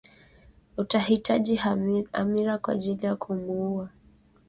Utahitaji hamira kwa ajili ya kuumua